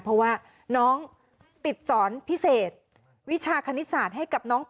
เพราะว่าน้องติดสอนพิเศษวิชาคณิตศาสตร์ให้กับน้อง